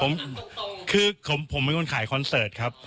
ผมคือผมไม่ควรขายคอนเสิร์ตครับ